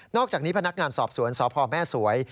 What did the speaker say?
อกจากนี้พนักงานสอบสวนสพแม่สวย